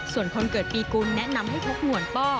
ส่วนคนเกิดปีกุลแนะนำให้พกหมวลป้อ